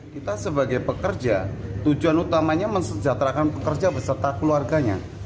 kita sebagai pekerja tujuan utamanya mensejahterakan pekerja beserta keluarganya